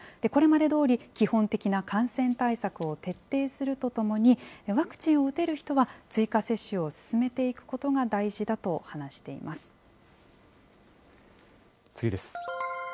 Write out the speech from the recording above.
これまでどおり、基本的な感染対策を徹底するとともに、ワクチンを打てる人は追加接種を進めていくことが大事だと話して次です。